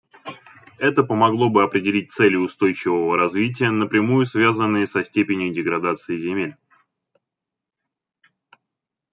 Это помогло бы определить цели устойчивого развития, напрямую связанные со степенью деградации земель.